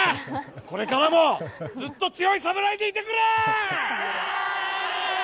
これからもずっと強い侍でいてくれ！